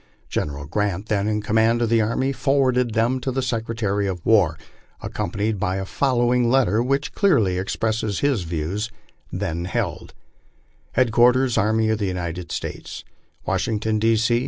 General Grant, then in command of the army, forwarded them to the Secretary of War, accompa nied by the fallowing letter, which clearly expresses the views he then held : HEADQUARTERS ARMIES OF THE UNITED STATES, 7 WASHINGTON, D. C.